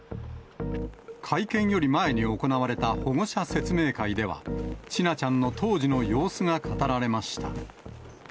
会見より前に行われた保護者説明会では、千奈ちゃんの当時の様子が語られました。